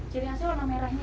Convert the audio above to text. ciri asing warna merahnya apa